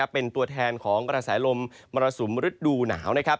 เป็นตัวแทนของกระแสลมมรสุมฤดูหนาวนะครับ